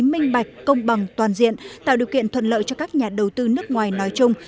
minh bạch công bằng toàn diện tạo điều kiện thuận lợi cho các nhà đầu tư nước ngoài nói chung